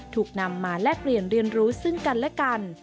ถูกนำมาแลกเปลี่ยนเรียนรู้ซึ่งกันและกัน